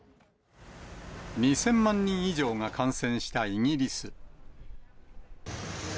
２０００万人以上が感染したイギリス。